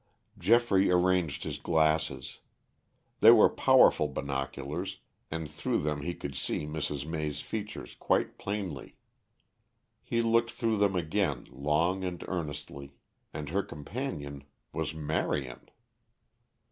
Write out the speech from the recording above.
Geoffrey arranged his glasses. They were powerful binoculars, and through them he could see Mrs. May's features quite plainly. He looked through them again long and earnestly. And her companion was Marion!